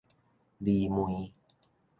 魑魅